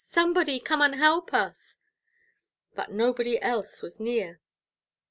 somebody come and help us!" But nobody else was near.